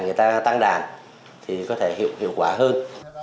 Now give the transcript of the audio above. người ta tăng đàn thì có thể hiệu quả hơn